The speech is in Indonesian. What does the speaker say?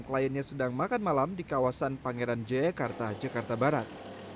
kliennya sedang makan malam di kawasan pangeran jayakarta jakarta barat